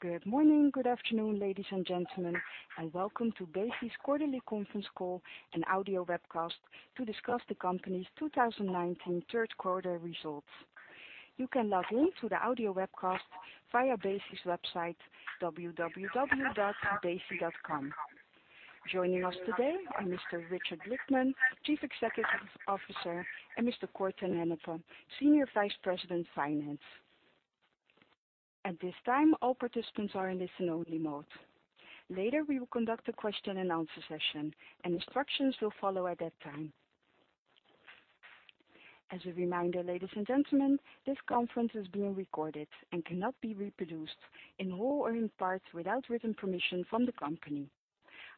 Good morning, good afternoon, ladies and gentlemen, and welcome to Besi's quarterly conference call and audio webcast to discuss the company's 2019 third quarter results. You can log in to the audio webcast via Besi's website, www.besi.com. Joining us today are Mr. Richard Blickman, Chief Executive Officer, and Mr. Cor te Velde, Senior Vice President, Finance. At this time, all participants are in listen-only mode. We will conduct a question and answer session, and instructions will follow at that time. As a reminder, ladies and gentlemen, this conference is being recorded and cannot be reproduced in whole or in part without written permission from the company.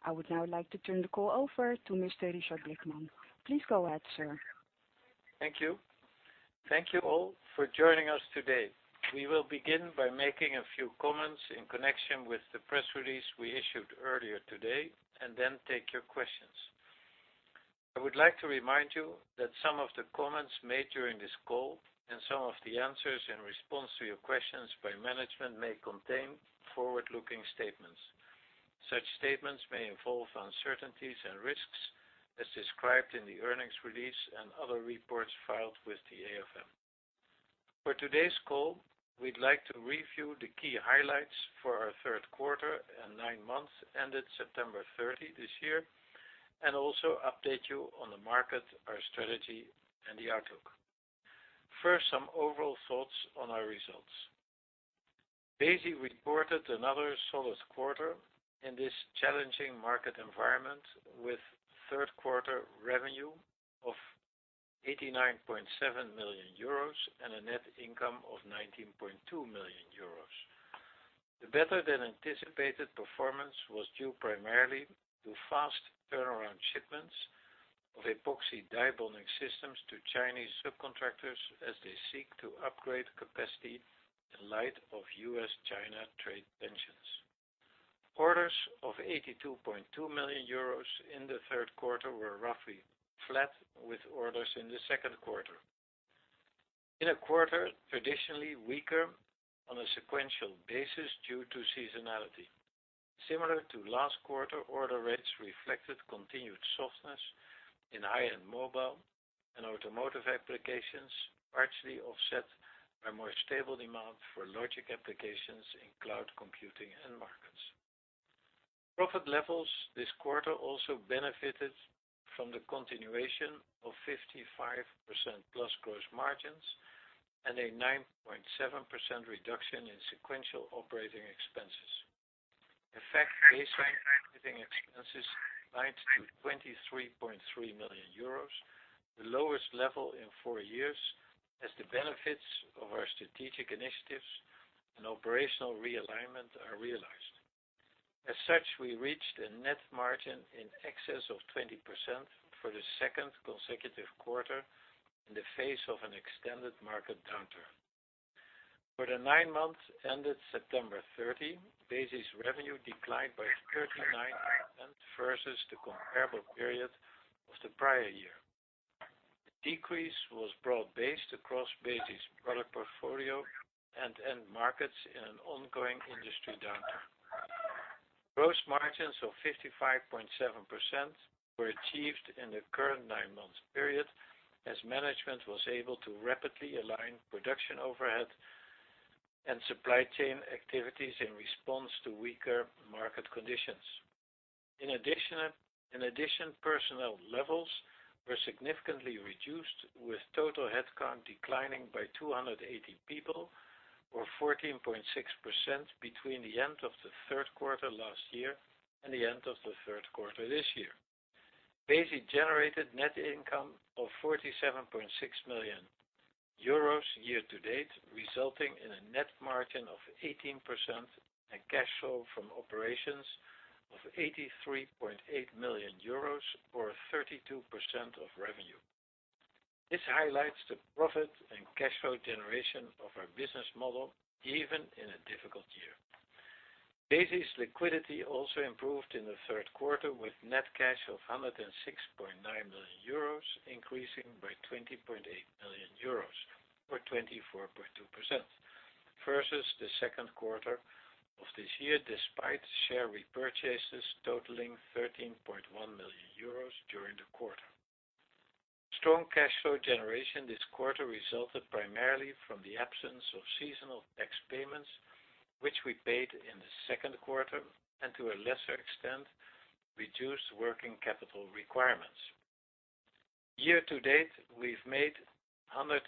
I would now like to turn the call over to Mr. Richard Blickman. Please go ahead, sir. Thank you. Thank you all for joining us today. We will begin by making a few comments in connection with the press release we issued earlier today, and then take your questions. I would like to remind you that some of the comments made during this call and some of the answers in response to your questions by management may contain forward-looking statements. Such statements may involve uncertainties and risks as described in the earnings release and other reports filed with the AFM. For today's call, we'd like to review the key highlights for our third quarter and nine months ended September 30 this year, and also update you on the market, our strategy, and the outlook. First, some overall thoughts on our results. Besi reported another solid quarter in this challenging market environment with third quarter revenue of 89.7 million euros and a net income of 19.2 million euros. The better-than-anticipated performance was due primarily to fast turnaround shipments of epoxy die bonding systems to Chinese subcontractors as they seek to upgrade capacity in light of U.S.-China trade tensions. Orders of 82.2 million euros in the third quarter were roughly flat with orders in the second quarter, in a quarter traditionally weaker on a sequential basis due to seasonality. Similar to last quarter, order rates reflected continued softness in high-end mobile and automotive applications, partially offset by more stable demand for logic applications in cloud computing end markets. Profit levels this quarter also benefited from the continuation of 55%-plus gross margins and a 9.7% reduction in sequential operating expenses. In fact, Besi's operating expenses declined to 23.3 million euros, the lowest level in four years, as the benefits of our strategic initiatives and operational realignment are realized. As such, we reached a net margin in excess of 20% for the second consecutive quarter in the face of an extended market downturn. For the nine months ended September 30, Besi's revenue declined by 39% versus the comparable period of the prior year. The decrease was broad-based across Besi's product portfolio and end markets in an ongoing industry downturn. Gross margins of 55.7% were achieved in the current nine-month period as management was able to rapidly align production overhead and supply chain activities in response to weaker market conditions. In addition, personnel levels were significantly reduced, with total headcount declining by 280 people or 14.6% between the end of the third quarter last year and the end of the third quarter this year. Besi generated net income of 47.6 million euros year to date, resulting in a net margin of 18% and cash flow from operations of 83.8 million euros or 32% of revenue. This highlights the profit and cash flow generation of our business model, even in a difficult year. Besi's liquidity also improved in the third quarter with net cash of 106.9 million euros, increasing by 20.8 million euros or 24.2% versus the second quarter of this year, despite share repurchases totaling 13.1 million euros during the quarter. Strong cash flow generation this quarter resulted primarily from the absence of seasonal tax payments, which we paid in the second quarter and, to a lesser extent, reduced working capital requirements. Year to date, we've made 161.3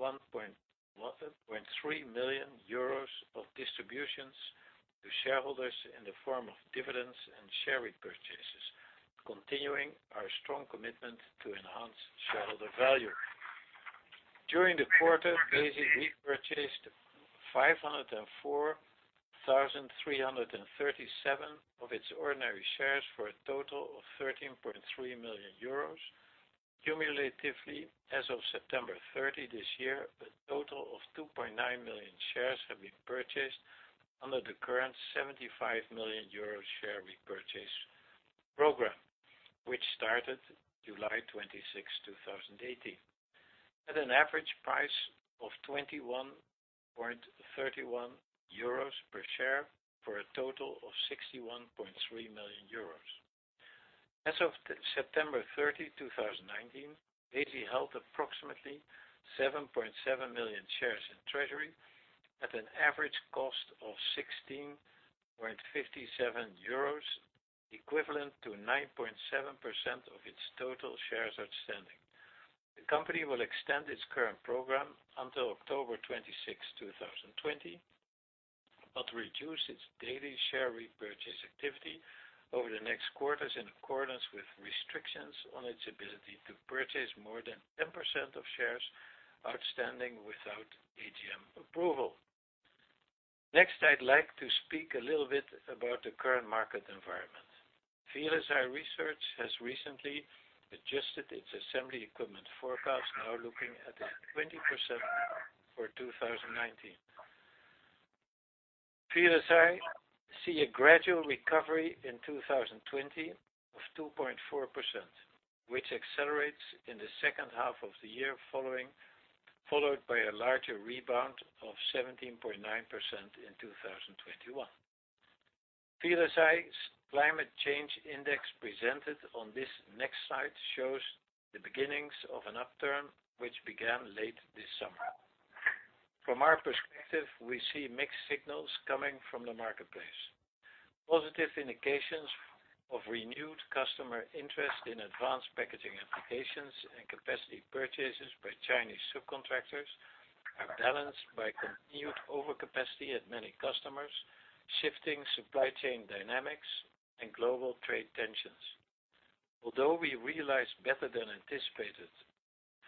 million euros of distributions to shareholders in the form of dividends and share repurchases, continuing our strong commitment to enhance shareholder value. During the quarter, Besi repurchased 504,337 of its ordinary shares for a total of €13.3 million. Cumulatively, as of September 30 this year, a total of 2.9 million shares have been purchased under the current €75 million share repurchase program, which started July 26, 2018. At an average price of €21.31 per share for a total of €61.3 million. As of September 30, 2019, Besi held approximately 7.7 million shares in treasury at an average cost of €16.57, equivalent to 9.7% of its total shares outstanding. The company will extend its current program until October 26, 2020, but reduce its daily share repurchase activity over the next quarters, in accordance with restrictions on its ability to purchase more than 10% of shares outstanding without AGM approval. Next, I'd like to speak a little bit about the current market environment. VLSI Research has recently adjusted its assembly equipment forecast, now looking at a 20% for 2019. VLSI sees a gradual recovery in 2020 of 2.4%, which accelerates in the second half of the year, followed by a larger rebound of 17.9% in 2021. VLSI's semiconductor index presented on this next slide shows the beginnings of an upturn which began late this summer. From our perspective, we see mixed signals coming from the marketplace. Positive indications of renewed customer interest in advanced packaging applications and capacity purchases by Chinese subcontractors are balanced by continued overcapacity at many customers, shifting supply chain dynamics and global trade tensions. We realized better than anticipated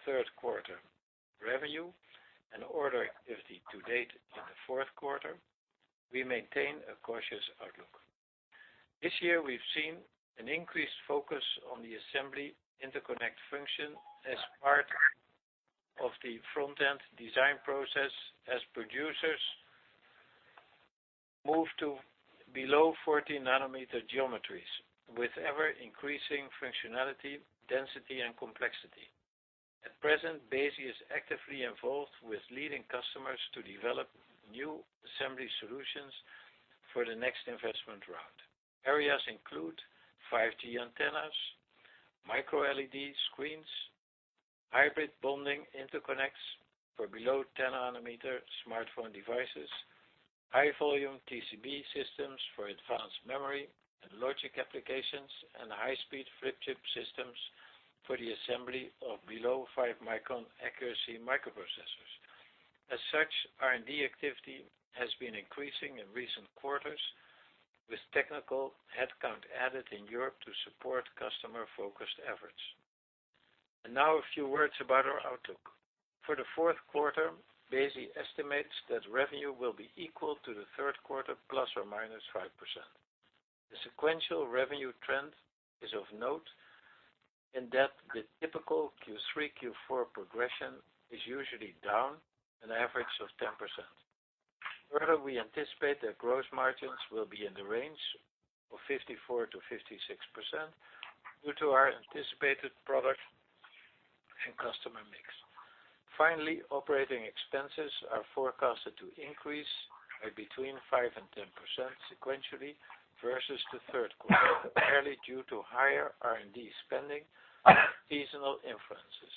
third quarter revenue and order activity to date in the fourth quarter, we maintain a cautious outlook. This year we've seen an increased focus on the assembly interconnect function as part of the front-end design process as producers move to below 40-nanometer geometries with ever-increasing functionality, density, and complexity. At present, Besi is actively involved with leading customers to develop new assembly solutions for the next investment round. Areas include 5G antennas, MicroLED screens, hybrid bonding interconnects for below 10-nanometer smartphone devices, high volume TCB systems for advanced memory and logic applications, and high-speed flip chip systems for the assembly of below five-micron accuracy microprocessors. As such, R&D activity has been increasing in recent quarters with technical headcount added in Europe to support customer-focused efforts. Now a few words about our outlook. For the fourth quarter, Besi estimates that revenue will be equal to the third quarter, ±5%. The sequential revenue trend is of note, in that the typical Q3/Q4 progression is usually down an average of 10%. Further, we anticipate that gross margins will be in the range of 54%-56% due to our anticipated product and customer mix. Finally, operating expenses are forecasted to increase by between 5% and 10% sequentially versus the third quarter, primarily due to higher R&D spending and seasonal influences.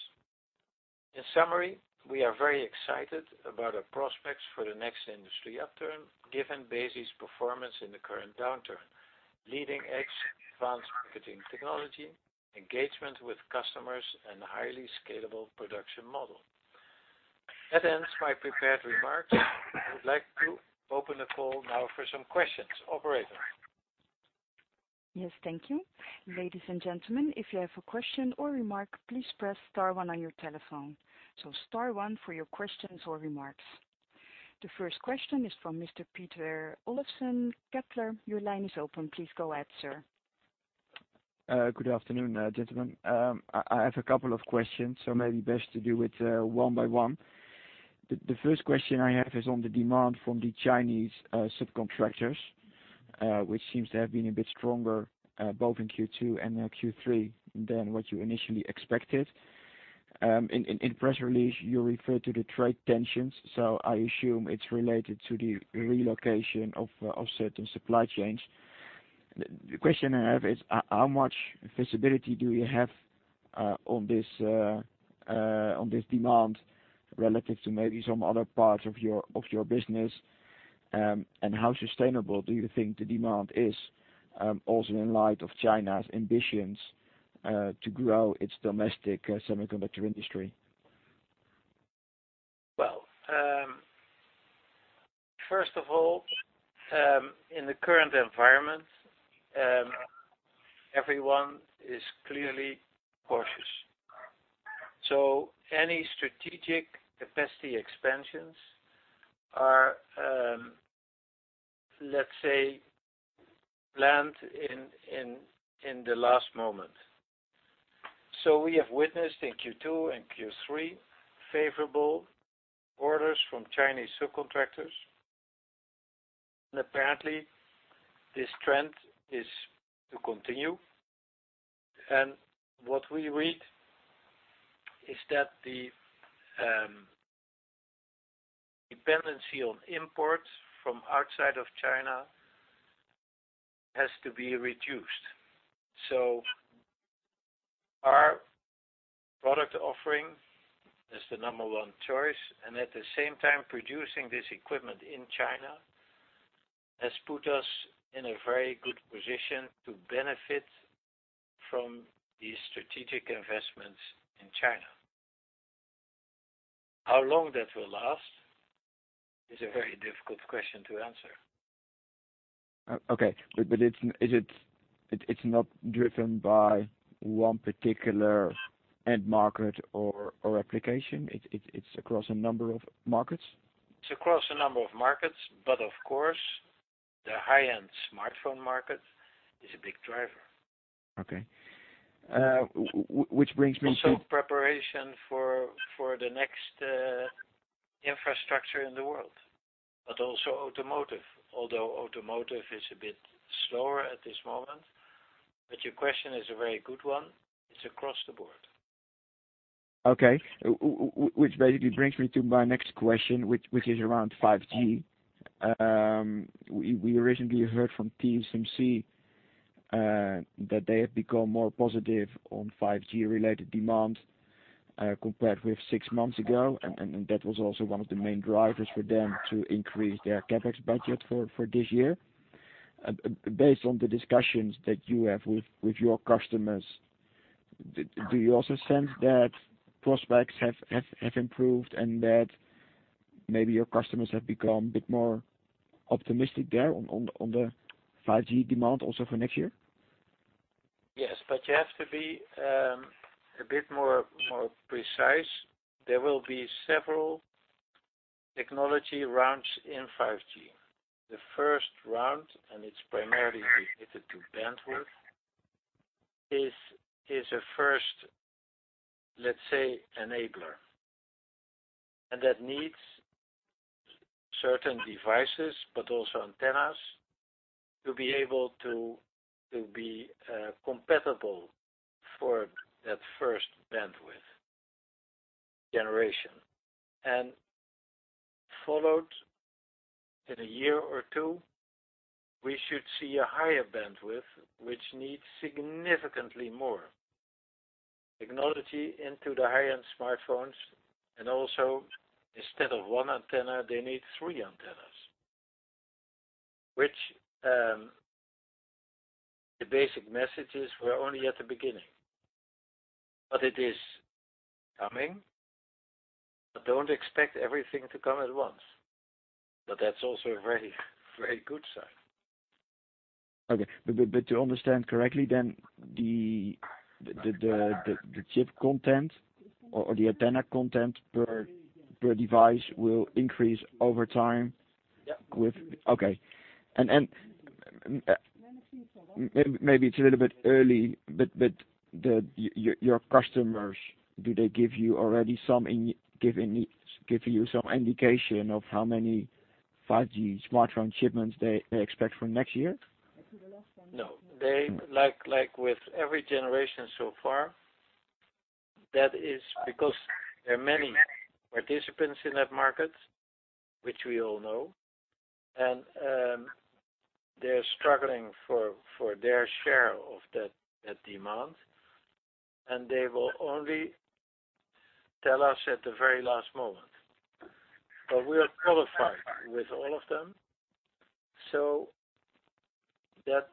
In summary, we are very excited about our prospects for the next industry upturn given Besi's performance in the current downturn. Leading-edge advanced marketing technology, engagement with customers, and a highly scalable production model. That ends my prepared remarks. I would like to open the call now for some questions. Operator? Yes. Thank you. Ladies and gentlemen, if you have a question or remark, please press star one on your telephone. Star one for your questions or remarks. The first question is from Mr. Peter Olofsen, Kepler. Your line is open. Please go ahead, sir. Good afternoon, gentlemen. I have a couple of questions, so maybe best to do it one by one. The first question I have is on the demand from the Chinese subcontractors, which seems to have been a bit stronger, both in Q2 and now Q3 than what you initially expected. In press release, you referred to the trade tensions, so I assume it's related to the relocation of certain supply chains. The question I have is how much visibility do you have on this demand relative to maybe some other parts of your business? How sustainable do you think the demand is? Also in light of China's ambitions to grow its domestic semiconductor industry. Well, first of all, in the current environment, everyone is clearly cautious. Any strategic capacity expansions are, let's say, planned in the last moment. We have witnessed in Q2 and Q3 favorable orders from Chinese subcontractors. Apparently, this trend is to continue. What we read is that the dependency on imports from outside of China has to be reduced. Our product offering is the number 1 choice, and at the same time, producing this equipment in China has put us in a very good position to benefit from these strategic investments in China. How long that will last is a very difficult question to answer. It's not driven by one particular end market or application? It's across a number of markets? It's across a number of markets, but of course the high-end smartphone market is a big driver. Okay. Which brings me to. Preparation for the next infrastructure in the world, but also automotive. Although automotive is a bit slower at this moment. Your question is a very good one. It's across the board. Okay. Which basically brings me to my next question, which is around 5G. We recently heard from TSMC, that they have become more positive on 5G-related demand, compared with six months ago, and that was also one of the main drivers for them to increase their CapEx budget for this year. Based on the discussions that you have with your customers, do you also sense that prospects have improved and that maybe your customers have become a bit more optimistic there on the 5G demand also for next year? Yes, you have to be a bit more precise. There will be several technology rounds in 5G. The first round, it's primarily related to bandwidth, is a first, let's say, enabler. That needs certain devices, but also antennas to be able to be compatible for that first bandwidth generation. Followed in a year or two, we should see a higher bandwidth, which needs significantly more technology into the high-end smartphones. Also instead of one antenna, they need three antennas, which the basic message is we're only at the beginning. It is coming, but don't expect everything to come at once. That's also a very good sign. Okay. To understand correctly, the chip content or the antenna content per device will increase over time. Yeah Okay. Maybe it's a little bit early, but your customers, do they give you some indication of how many 5G smartphone shipments they expect for next year? No. Like with every generation so far, that is because there are many participants in that market, which we all know, and they're struggling for their share of that demand, and they will only tell us at the very last moment. We are qualified with all of them, so that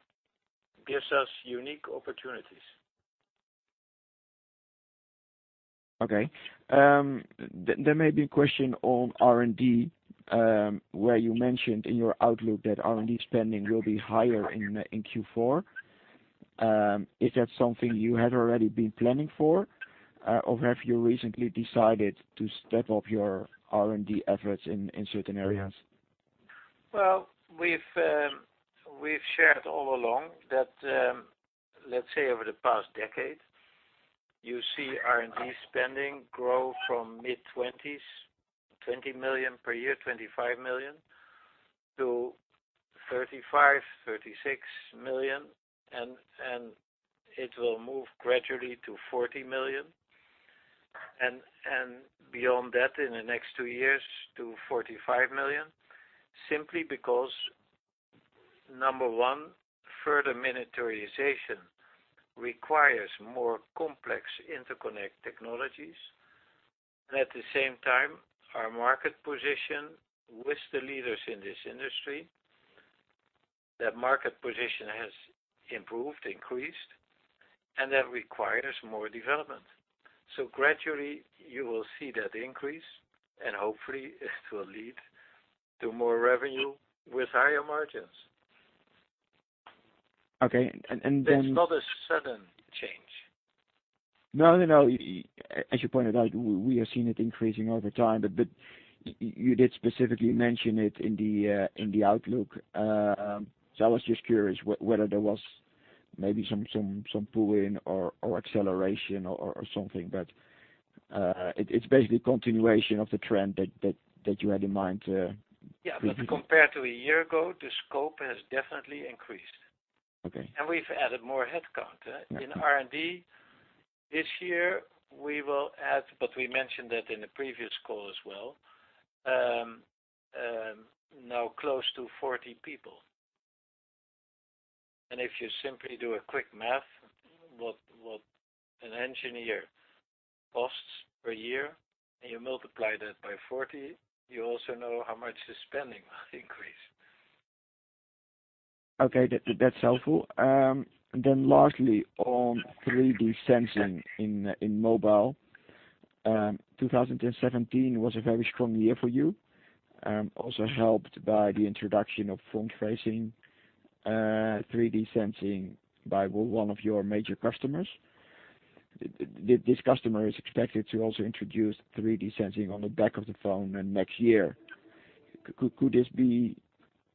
gives us unique opportunities. Okay. There may be a question on R&D, where you mentioned in your outlook that R&D spending will be higher in Q4. Is that something you had already been planning for, or have you recently decided to step up your R&D efforts in certain areas? Well, we've shared all along that, let's say over the past decade, you see R&D spending grow from mid-20s, 20 million per year, 25 million, to 35 million, 36 million. It will move gradually to 40 million, and beyond that in the next 2 years to 45 million, simply because, number 1, further miniaturization requires more complex interconnect technologies. At the same time, our market position with the leaders in this industry, that market position has improved, increased, and that requires more development. Gradually you will see that increase, and hopefully it will lead to more revenue with higher margins. Okay. It's not a sudden change. No, as you pointed out, we have seen it increasing over time. You did specifically mention it in the outlook. I was just curious whether there was maybe some pull-in or acceleration or something, but it's basically continuation of the trend that you had in mind. Yeah. Compared to a year ago, the scope has definitely increased. Okay. We've added more headcount. In R&D this year, we will add, but we mentioned that in the previous call as well, now close to 40 people. If you simply do a quick math, what an engineer costs per year, and you multiply that by 40, you also know how much the spending increase. Okay. That's helpful. Lastly, on 3D sensing in mobile. 2017 was a very strong year for you, also helped by the introduction of face recognition, 3D sensing by one of your major customers. This customer is expected to also introduce 3D sensing on the back of the phone next year. Could this be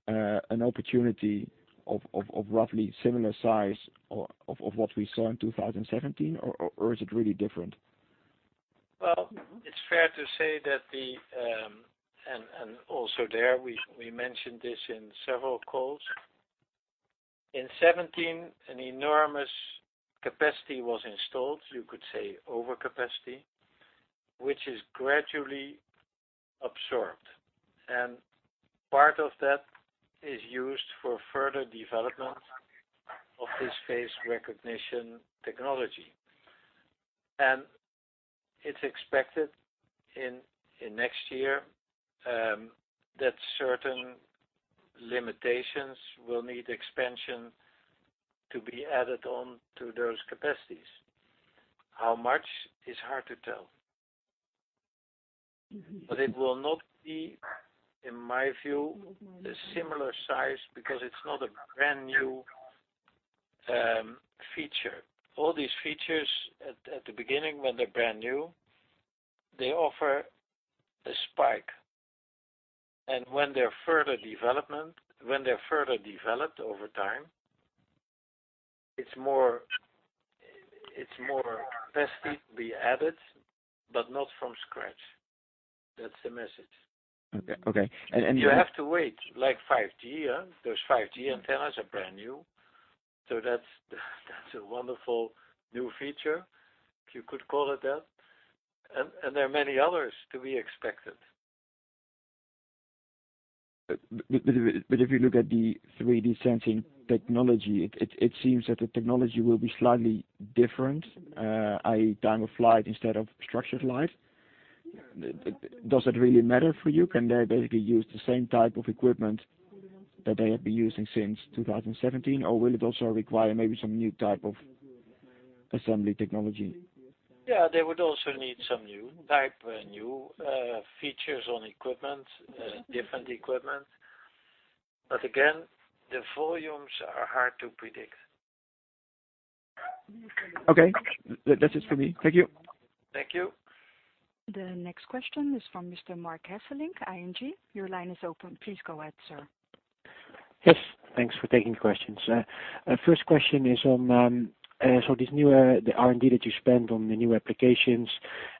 an opportunity of roughly similar size of what we saw in 2017, or is it really different? Well, it's fair to say, also there, we mentioned this in several calls. In 2017, an enormous capacity was installed, you could say overcapacity, which is gradually absorbed. Part of that is used for further development of this face recognition technology. It's expected in next year, that certain limitations will need expansion to be added on to those capacities. How much is hard to tell. It will not be, in my view, a similar size because it's not a brand-new feature. All these features at the beginning, when they're brand new, they offer a spike. When they're further developed over time, it's more capacity to be added, not from scratch. That's the message. Okay. You have to wait, like 5G. Those 5G antennas are brand new. That's a wonderful new feature. If you could call it that. There are many others to be expected. If you look at the 3D sensing technology, it seems that the technology will be slightly different, i.e., time-of-flight instead of structured light. Does that really matter for you? Can they basically use the same type of equipment that they have been using since 2017, or will it also require maybe some new type of assembly technology? Yeah, they would also need some new type, new features on equipment, different equipment. Again, the volumes are hard to predict. Okay. That's it for me. Thank you. Thank you. The next question is from Mr. Marc Hesselink, ING. Your line is open. Please go ahead, sir. Yes, thanks for taking the questions. First question is on this new R&D that you spend on the new applications,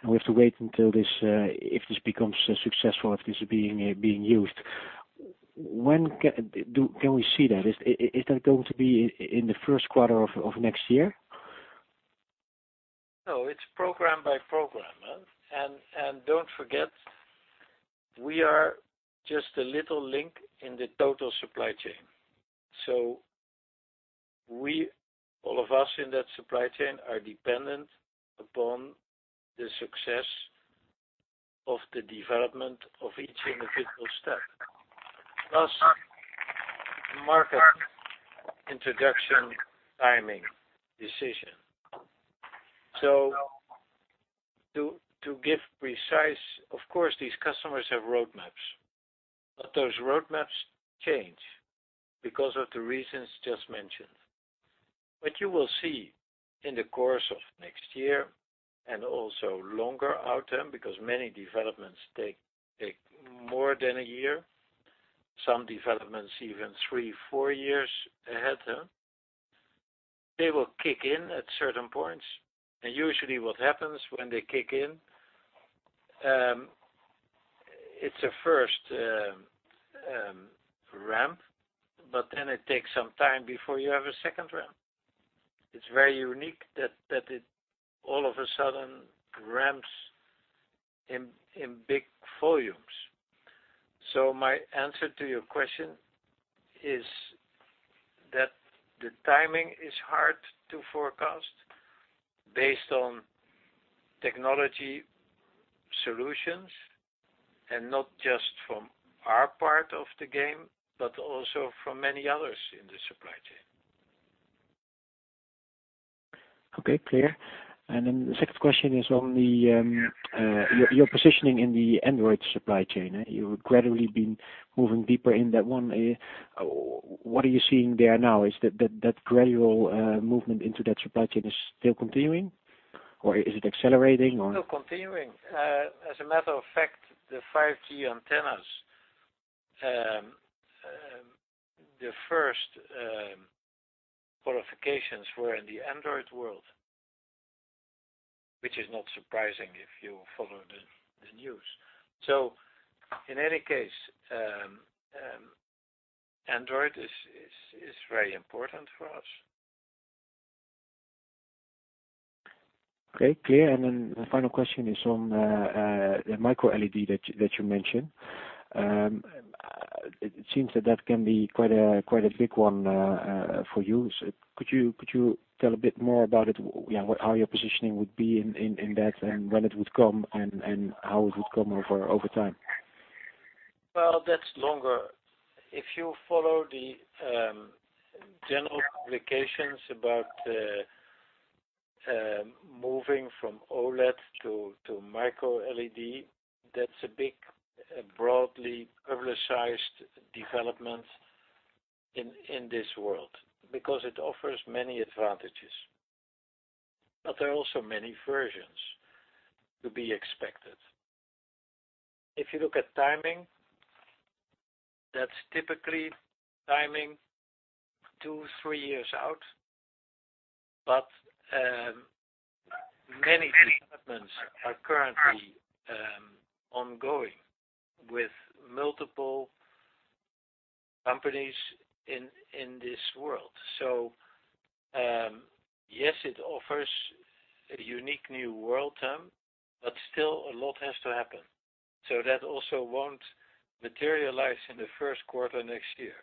and we have to wait until if this becomes successful, if this being used. When can we see that? Is that going to be in the first quarter of next year? No, it's program by program. Don't forget, we are just a little link in the total supply chain. We, all of us in that supply chain, are dependent upon the success of the development of each individual step, plus market introduction timing decision. To give precise, of course, these customers have roadmaps. Those roadmaps change because of the reasons just mentioned. What you will see in the course of next year and also longer out term, because many developments take more than a year, some developments even three, four years ahead. They will kick in at certain points. Usually what happens when they kick in, it's a first ramp, but then it takes some time before you have a second ramp. It's very unique that it all of a sudden ramps in big volumes. My answer to your question is that the timing is hard to forecast based on technology solutions and not just from our part of the game, but also from many others in the supply chain. Okay, clear. The second question is on your positioning in the Android supply chain. You have gradually been moving deeper in that one. What are you seeing there now? Is that gradual movement into that supply chain is still continuing? Is it accelerating? No, continuing. As a matter of fact, the 5G antennas, the first qualifications were in the Android world, which is not surprising if you follow the news. In any case, Android is very important for us. Okay, clear. The final question is on the MicroLED that you mentioned. It seems that that can be quite a big one for you. Could you tell a bit more about it? How your positioning would be in that and when it would come and how it would come over time? That's longer. If you follow the general publications about moving from OLED to MicroLED, that's a big, broadly publicized development in this world because it offers many advantages, there are also many versions to be expected. If you look at timing, that's typically timing two, three years out. Many developments are currently ongoing with multiple companies in this world. Yes, it offers a unique new world, still a lot has to happen. That also won't materialize in the first quarter next year.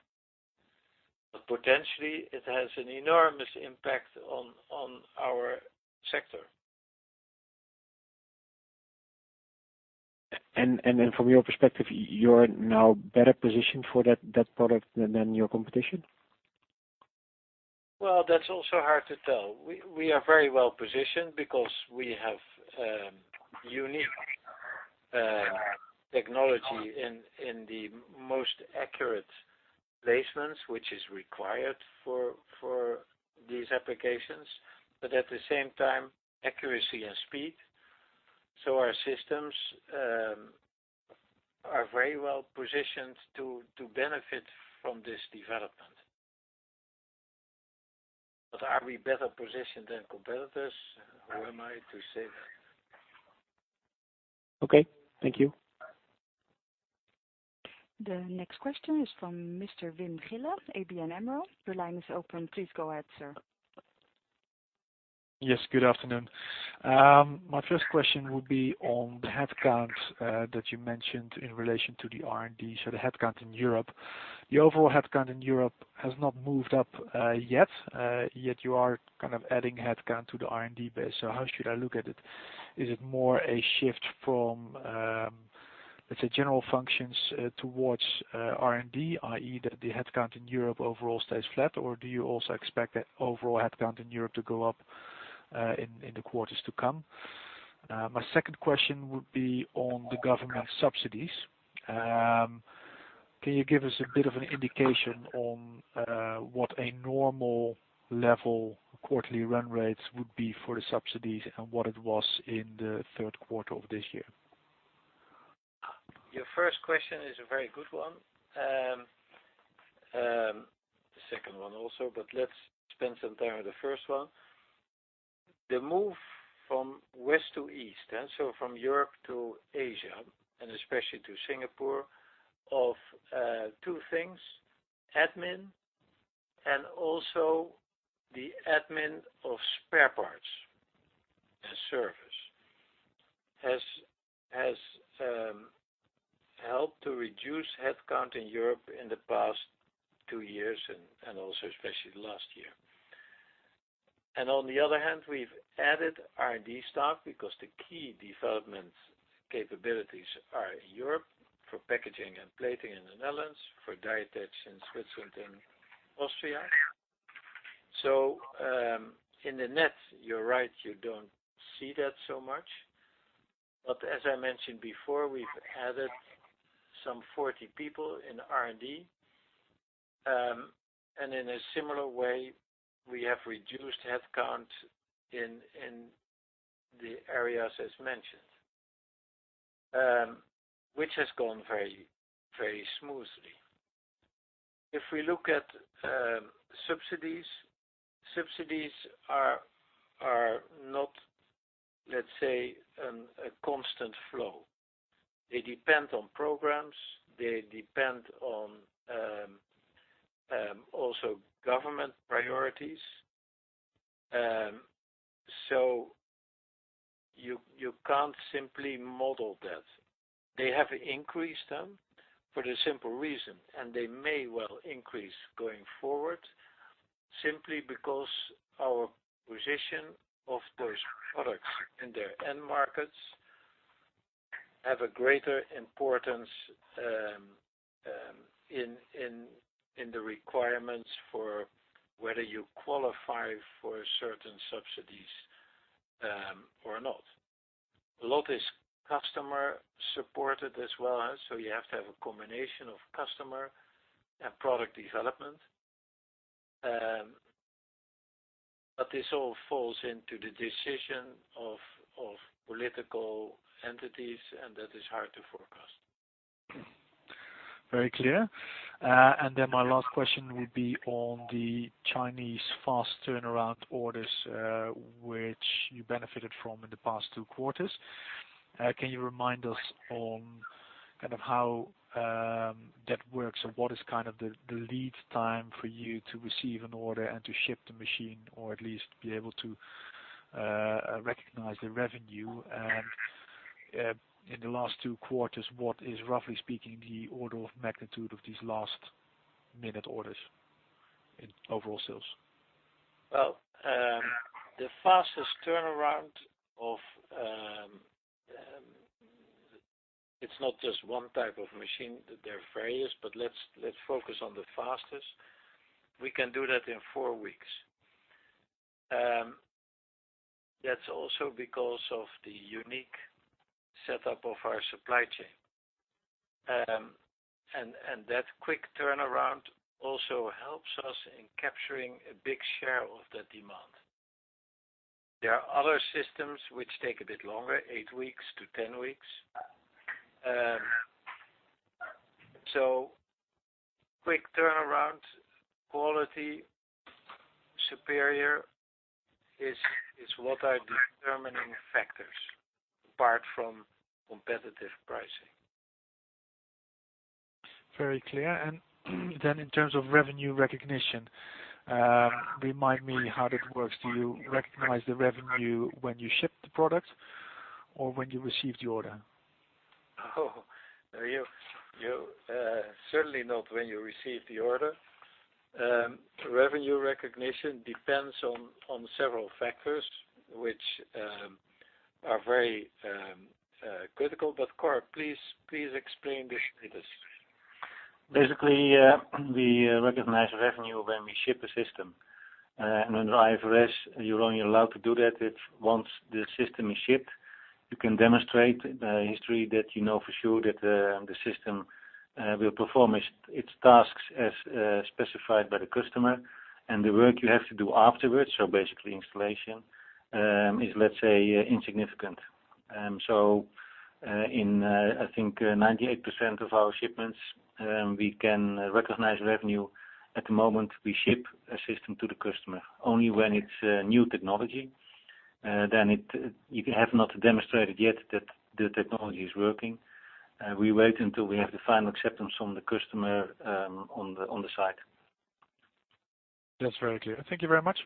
Potentially it has an enormous impact on our sector. From your perspective, you're now better positioned for that product than your competition? Well, that's also hard to tell. We are very well-positioned because we have unique technology in the most accurate placements, which is required for these applications, but at the same time, accuracy and speed. Our systems are very well-positioned to benefit from this development. Are we better positioned than competitors? Who am I to say that? Okay. Thank you. The next question is from Mr. Wim Gielis, ABN AMRO. Your line is open. Please go ahead, sir. Good afternoon. My first question would be on the headcount that you mentioned in relation to the R&D. The headcount in Europe. The overall headcount in Europe has not moved up yet you are kind of adding headcount to the R&D base. How should I look at it? Is it more a shift from, let's say, general functions, towards R&D, i.e., the headcount in Europe overall stays flat? Do you also expect that overall headcount in Europe to go up, in the quarters to come? My second question would be on the government subsidies. Can you give us a bit of an indication on what a normal level quarterly run rates would be for the subsidies and what it was in the third quarter of this year? Your first question is a very good one. The second one also, but let's spend some time on the first one. The move from west to east, so from Europe to Asia, and especially to Singapore, of two things, admin and also the admin of spare parts and service, has helped to reduce headcount in Europe in the past two years and also especially last year. On the other hand, we've added R&D staff because the key development capabilities are in Europe for packaging and plating in the Netherlands, for die-attach in Switzerland, Austria. In the net, you're right, you don't see that so much. As I mentioned before, we've added some 40 people in R&D. In a similar way, we have reduced headcount in the areas as mentioned, which has gone very smoothly. If we look at subsidies are not, let's say, a constant flow. They depend on programs, they depend on also government priorities. You can't simply model that. They have increased them for the simple reason, and they may well increase going forward, simply because our position of those products in their end markets have a greater importance in the requirements for whether you qualify for certain subsidies, or not. A lot is customer-supported as well. You have to have a combination of customer and product development. This all falls into the decision of political entities, and that is hard to forecast. Very clear. My last question would be on the Chinese fast turnaround orders which you benefited from in the past two quarters. Can you remind us on how that works and what is the lead time for you to receive an order and to ship the machine or at least be able to recognize the revenue? In the last two quarters, what is, roughly speaking, the order of magnitude of these last-minute orders in overall sales? Well, the fastest turnaround. It's not just one type of machine. There are various, let's focus on the fastest. We can do that in four weeks. That's also because of the unique setup of our supply chain. That quick turnaround also helps us in capturing a big share of the demand. There are other systems which take a bit longer, eight weeks-10 weeks. Quick turnaround, quality, superior is what are determining factors, apart from competitive pricing. Very clear. In terms of revenue recognition, remind me how that works. Do you recognize the revenue when you ship the product or when you receive the order? Certainly not when you receive the order. Revenue recognition depends on several factors, which are very critical. Cor, please explain this to us. Basically, we recognize revenue when we ship a system. Under IFRS, you're only allowed to do that if once the system is shipped, you can demonstrate the history that you know for sure that the system will perform its tasks as specified by the customer, and the work you have to do afterwards, so basically installation, is, let's say, insignificant. In, I think, 98% of our shipments, we can recognize revenue at the moment we ship a system to the customer. Only when it's a new technology, you have not demonstrated yet that the technology is working. We wait until we have the final acceptance from the customer on the site. That's very clear. Thank you very much.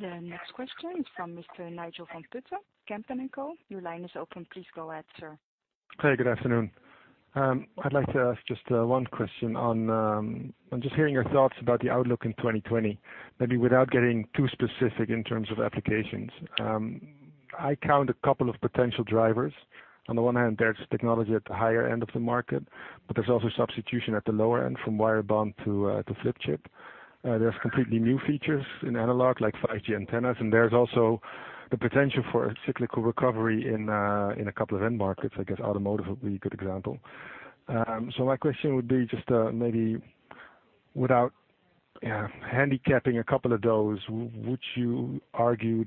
The next question is from Mr. Nigel van Putten, Kempen & Co. Your line is open. Please go ahead, sir. Hey, good afternoon. I'd like to ask just one question on just hearing your thoughts about the outlook in 2020, maybe without getting too specific in terms of applications. I count a couple of potential drivers. On the one hand, there's technology at the higher end of the market, but there's also substitution at the lower end, from wire bond to flip chip. There's completely new features in analog, like 5G antennas, and there's also the potential for a cyclical recovery in a couple of end markets. I guess automotive would be a good example. My question would be just maybe without handicapping a couple of those, would you argue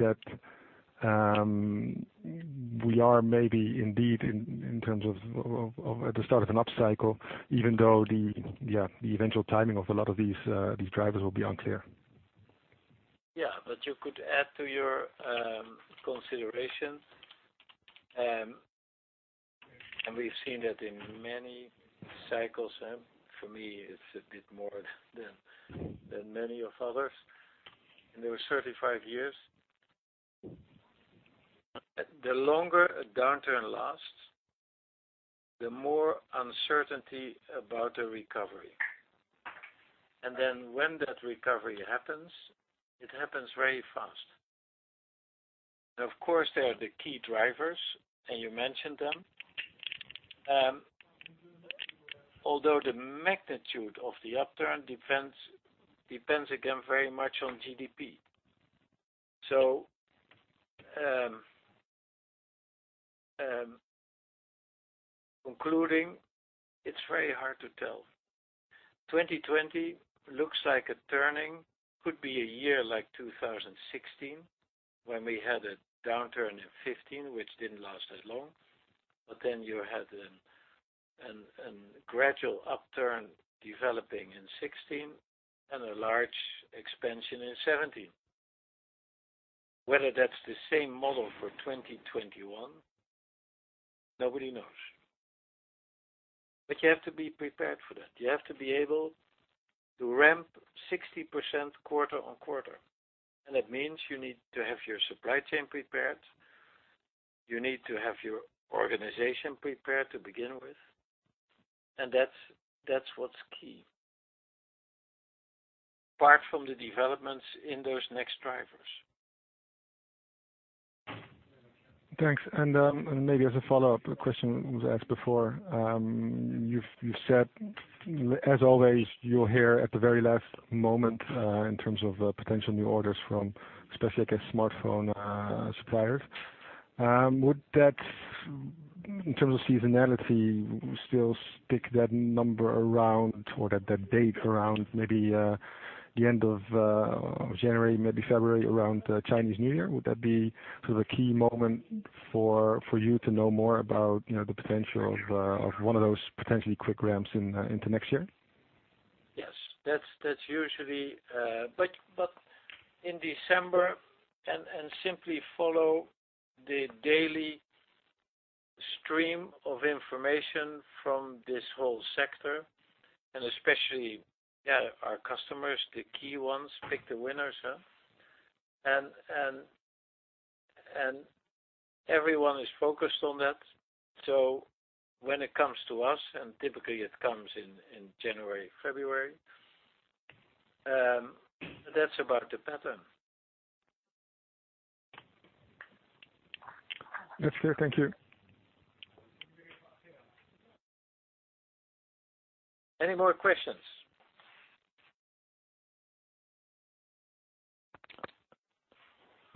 that we are maybe indeed at the start of an upcycle, even though the eventual timing of a lot of these drivers will be unclear? Yeah. You could add to your considerations, and we've seen that in many cycles. For me, it's a bit more than many of others, and they were 35 years. The longer a downturn lasts, the more uncertainty about the recovery. When that recovery happens, it happens very fast. Of course, there are the key drivers, and you mentioned them. Although the magnitude of the upturn depends again very much on GDP. Concluding, it's very hard to tell. 2020 looks like a turning, could be a year like 2016, when we had a downturn in 2015, which didn't last as long. You had a gradual upturn developing in 2016 and a large expansion in 2017. Whether that's the same model for 2021, nobody knows. You have to be prepared for that. You have to be able to ramp 60% quarter-on-quarter. That means you need to have your supply chain prepared. You need to have your organization prepared to begin with. That's what's key, apart from the developments in those next drivers. Thanks. Maybe as a follow-up, a question was asked before. You've said, as always, you're here at the very last moment in terms of potential new orders from especially, I guess, smartphone suppliers. In terms of seasonality, we still stick that number around, or that date around maybe the end of January, maybe February, around Chinese New Year. Would that be the key moment for you to know more about the potential of one of those potentially quick ramps into next year? Yes. In December, and simply follow the daily stream of information from this whole sector, and especially our customers, the key ones, pick the winners. Everyone is focused on that. When it comes to us, and typically it comes in January, February, that's about the pattern. That's clear. Thank you. Any more questions?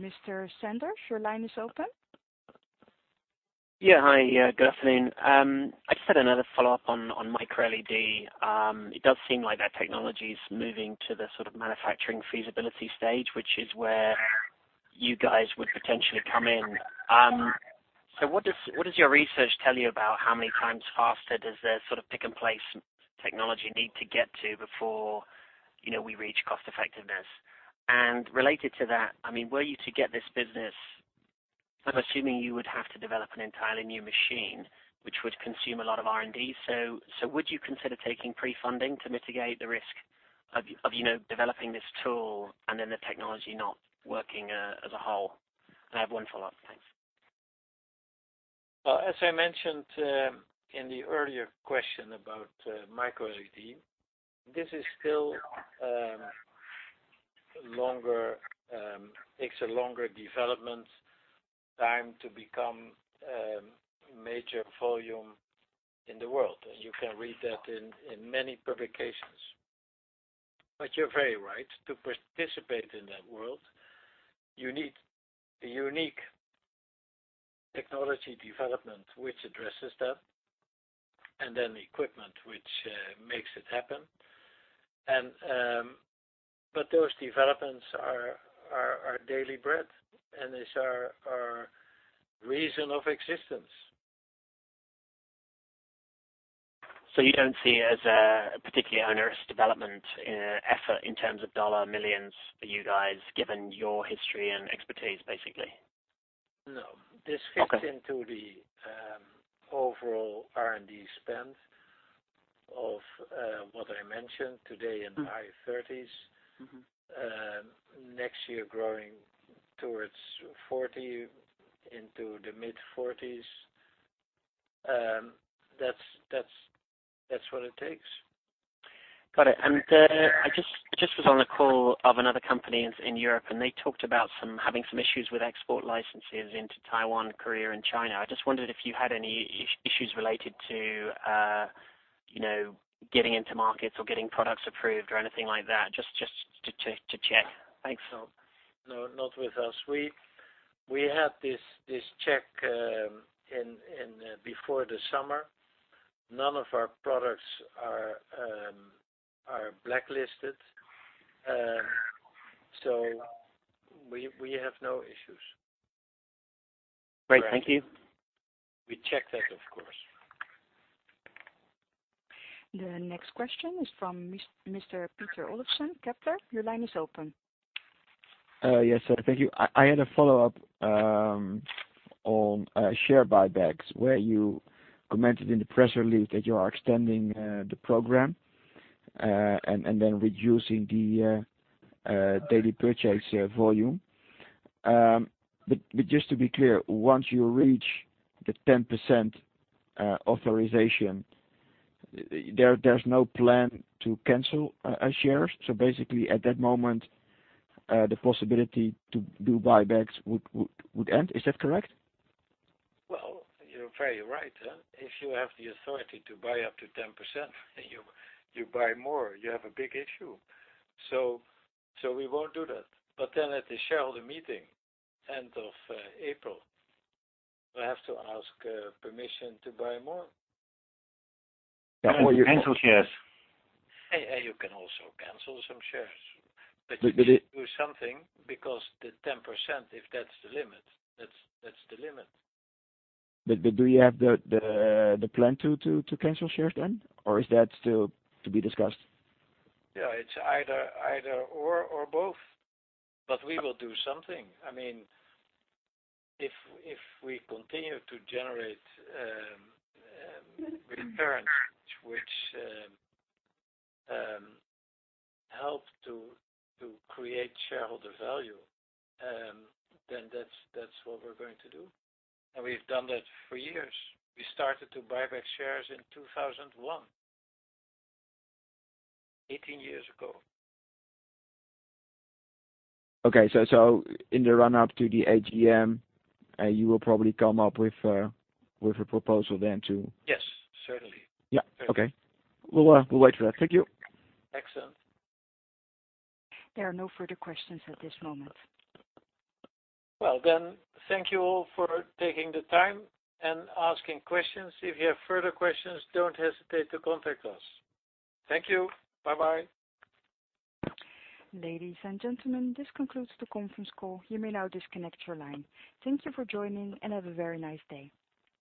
Mr. Sanders, your line is open. Yeah. Hi, good afternoon. I just had another follow-up on MicroLED. It does seem like that technology's moving to the sort of manufacturing feasibility stage, which is where you guys would potentially come in. What does your research tell you about how many times faster does the sort of pick-and-place technology need to get to before we reach cost-effectiveness? Related to that, were you to get this business, I'm assuming you would have to develop an entirely new machine, which would consume a lot of R&D. Would you consider taking pre-funding to mitigate the risk of developing this tool and then the technology not working as a whole? I have one follow-up. Thanks. Well, as I mentioned in the earlier question about MicroLED, this still takes a longer development time to become major volume in the world. You can read that in many publications. You're very right. To participate in that world, you need a unique technology development which addresses that, and then equipment which makes it happen. Those developments are our daily bread and is our reason of existence. You don't see it as a particularly onerous development effort in terms of EUR millions for you guys, given your history and expertise, basically? No. Okay. This fits into the overall R&D spend of what I mentioned today in high 30s. Next year, growing towards 40 into the mid-40s. That's what it takes. Got it. I just was on a call of another company in Europe, and they talked about having some issues with export licenses into Taiwan, Korea, and China. I just wondered if you had any issues related to getting into markets or getting products approved or anything like that, just to check. Thanks. No, not with us. We had this check before the summer. None of our products are blacklisted. We have no issues. Great. Thank you. We check that, of course. The next question is from Mr. Peter Olofsen, Kepler. Your line is open. Yes, sir. Thank you. I had a follow-up on share buybacks, where you commented in the press release that you are extending the program, and then reducing the daily purchase volume. Just to be clear, once you reach the 10% authorization, there's no plan to cancel shares. Basically, at that moment, the possibility to do buybacks would end. Is that correct? Well, you're very right. If you have the authority to buy up to 10% and you buy more, you have a big issue. We won't do that. At the shareholder meeting end of April, we'll have to ask permission to buy more. You cancel shares. You can also cancel some shares. But- Do something because the 10%, if that's the limit, that's the limit. Do you have the plan to cancel shares then, or is that still to be discussed? Yeah, it's either or both. We will do something. If we continue to generate returns which help to create shareholder value, then that's what we're going to do. We've done that for years. We started to buy back shares in 2001, 18 years ago. Okay. In the run-up to the AGM, you will probably come up with a proposal then to. Yes, certainly. Yeah. Okay. We'll wait for that. Thank you. Excellent. There are no further questions at this moment. Well, thank you all for taking the time and asking questions. If you have further questions, don't hesitate to contact us. Thank you. Bye-bye. Ladies and gentlemen, this concludes the conference call. You may now disconnect your line. Thank you for joining, and have a very nice day.